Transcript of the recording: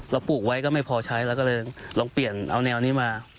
ปลูกไว้ก็ไม่พอใช้แล้วก็เลยลองเปลี่ยนเอาแนวนี้มา